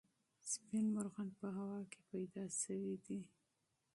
سپین مرغان په هوا کې پیدا سوي دي.